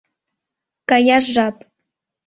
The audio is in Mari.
— Каяш жап!